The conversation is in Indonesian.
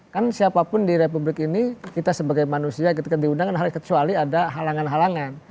kan siapapun di republik ini kita sebagai manusia ketika diundangkan kecuali ada halangan halangan